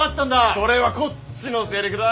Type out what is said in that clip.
それはこっちのせりふだ。